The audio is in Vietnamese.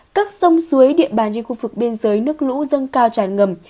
các sông suối địa bàn trên khu vực biên giới nước lũ dâng cao tràn ngầm